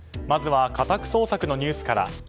まずは家宅捜索のニュースから。